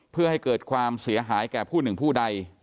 เพื่อให้เกิดความเสียหายแก่ผู้หนึ่งผู้ใด